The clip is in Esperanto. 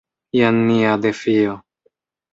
Jen nia defio.